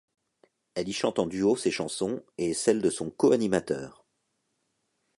Elle y chante en duo ses chansons et celles de son co-animateur.